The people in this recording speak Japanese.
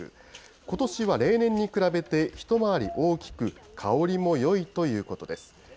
ことしは例年に比べて一回り大きく、香りもよいということです。